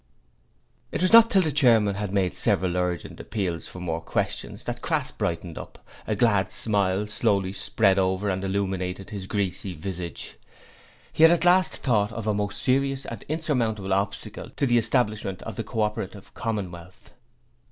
It was not till the chairman had made several urgent appeals for more questions that Crass brightened up: a glad smile slowly spread over and illuminated his greasy visage: he had at last thought of a most serious and insurmountable obstacle to the establishment of the Co operative Commonwealth.